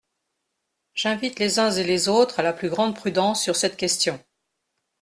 J’invite les uns et les autres à la plus grande prudence sur cette question.